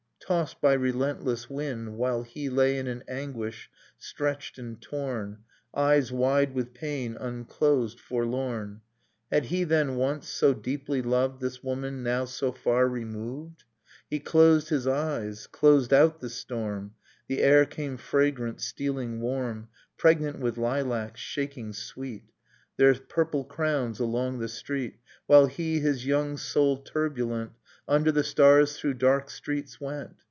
Tossed by relentless wind, while he Lay in an anguish, stretched and torn, Eyes wide with pain, unclosed, forlorn ... Had he then, once, so deeply loved This woman, now so far removed? He closed his eyes, closed out the storm: The air came fragrant, stealing warm, — Pregnant with lilacs, shaking sweet Their purple crowns along the street ; While he, his young soul turbulent, Under the stars through dark streets went